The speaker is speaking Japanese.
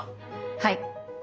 はい。